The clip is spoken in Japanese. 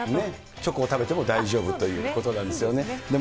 チョコを食べても大丈夫ということなんですけれども。